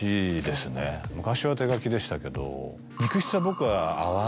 昔は手書きでしたけど。